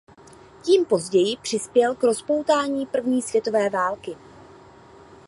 Tím později přispěl k rozpoutání první světové války.